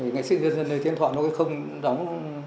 nghệ sĩ nhân dân lê tiến thọ không đóng